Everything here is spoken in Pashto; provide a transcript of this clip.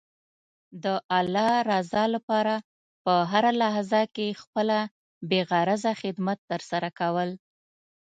د الله رضا لپاره په هره لحظه کې خپله بې غرضه خدمت ترسره کول.